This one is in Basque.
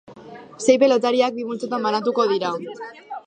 Sei pelotariak bi multzotan banatuko dira.